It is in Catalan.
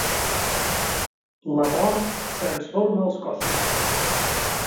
La mort transforma els cossos.